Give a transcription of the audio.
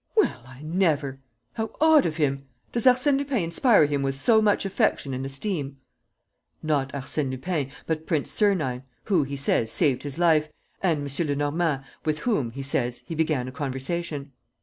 "Well, I never! How odd of him! Does Arsène Lupin inspire him with so much affection and esteem?" "Not Arsène Lupin, but Prince Sernine, who, he says, saved his life, and M. Lenormand, with whom, he says, he began a conversation.